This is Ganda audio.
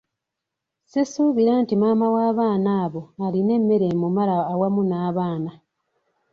Sisuubira nti maama w'abaana abo alina emmere emumala awamu n'abaana.